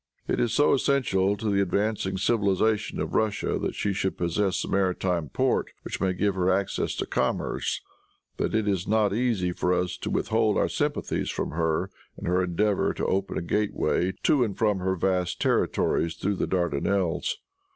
It is so essential to the advancing civilization of Russia that she should possess a maritime port which may give her access to commerce, that it is not easy for us to withhold our sympathies from her in her endeavor to open a gateway to and from her vast territories through the Dardanelles.